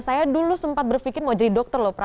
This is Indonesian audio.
saya dulu sempat berpikir mau jadi dokter loh